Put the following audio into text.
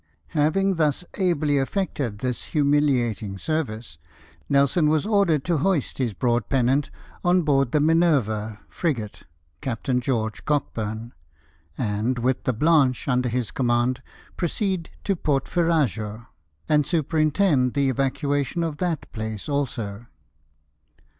Having thus ably effected this humiliating service, Nelson was ordered to hoist his broad pennant on board the Minerve frigate, Captain George Cockburn, and, with the Blanche under his command, proceed to Porto Ferrajo, and superintend the evacuation of that place also.